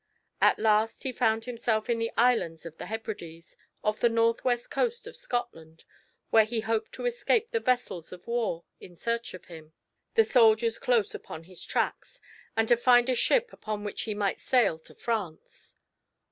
At last he found himself in the Islands of the Hebrides off the northwest coast of Scotland where he hoped to escape the vessels of war in search of him, and soldiers close upon his tracks, and to find a ship upon which he might sail to France.